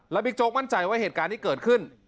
บิ๊กโจ๊กมั่นใจว่าเหตุการณ์ที่เกิดขึ้น